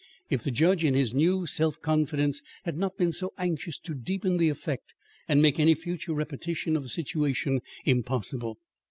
If the judge in his new self confidence had not been so anxious to deepen the effect and make any future repetition of the situation impossible!